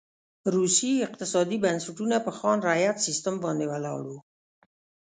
روسي اقتصادي بنسټونه په خان رعیت سیستم باندې ولاړ و.